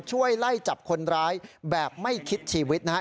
ช่วยไล่จับคนร้ายแบบไม่คิดชีวิตนะฮะ